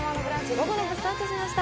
午後の部スタートしました。